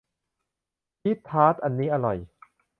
พีชทาร์ตอันนี้อร่อย